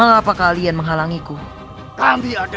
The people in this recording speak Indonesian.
awak mencari ibu bunda